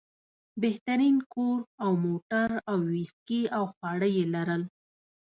بهترین کور او موټر او ویسکي او خواړه یې لرل.